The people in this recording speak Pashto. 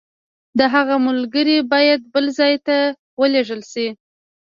د هغه ملګري باید بل ځای ته ولېږل شي.